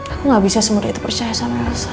aku gak bisa semudah itu percaya sama saya